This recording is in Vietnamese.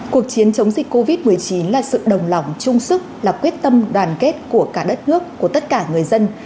cuộc chiến chống dịch covid một mươi chín là sự đồng lòng trung sức là quyết tâm đoàn kết của cả đất nước của tất cả người dân